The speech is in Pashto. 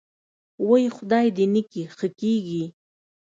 وۍ خدای دې نکي ښه کېږې.